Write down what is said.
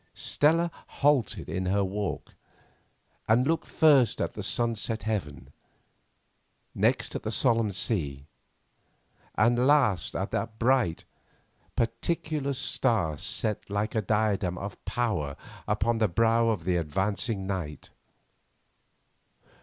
Stella halted in her walk, and looked first at the sunset heaven, next at the solemn sea, and last at that bright, particular star set like a diadem of power upon the brow of advancing night.